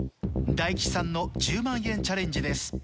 大吉さんの１０万円チャレンジです。